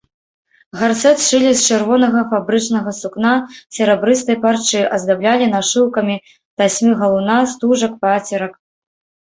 Гарсэт шылі з чырвонага фабрычнага сукна, з серабрыстай парчы, аздаблялі нашыўкамі тасьмы-галуна, стужак, пацерак.